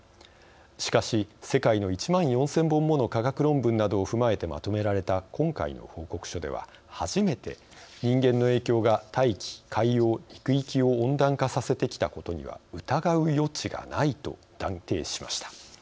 しかし世界の１万４０００本もの科学論文などを踏まえてまとめられた今回の報告書では初めて人間の影響が大気・海洋・陸域を温暖化させてきたことには疑う余地がないと断定しました。